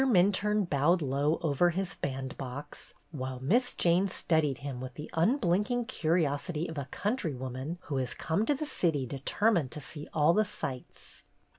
Minturne bowed low over his bandbox while Miss Jane studied him with the unblink ing curiosity of a countrywoman who has come to the city determined to see all the sights.